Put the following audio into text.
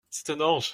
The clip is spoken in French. C’est un ange !